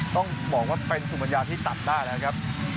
ต้องบอกว่าเป็นสุมัญญาที่ตัดได้แล้วครับ